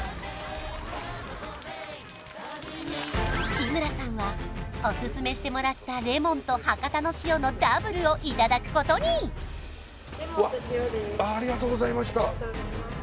日村さんはオススメしてもらったレモンと伯方の塩のダブルをいただくことにありがとうございましたありがとうございます